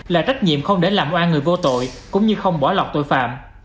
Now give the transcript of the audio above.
là trách nhiệm không để làm oai người vô tội cũng như không bỏ lọt tội phạm